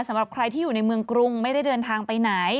สำหรับใครที่อยู่ในเมืองกรุงไม่ได้เดินทางไปไหน